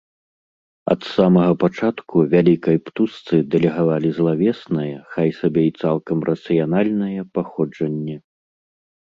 Ад самага пачатку вялікай птушцы дэлегавалі злавеснае, хай сабе і цалкам рацыянальнае, паходжанне.